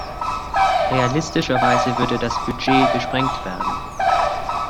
Realistischerweise würde das Budget gesprengt werden.